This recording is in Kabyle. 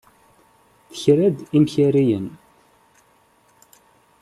Tekra-d imkariyen.